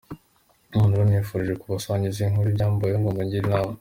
None rero nifuje kubasangiza iyi nkuru y’ibyambayeho ngo mungire inama.